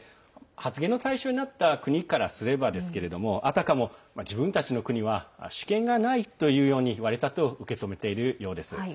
発言の対象になった国からすればですけれどもあたかも、自分たちの国は主権がないと言われたと受け止めているようです。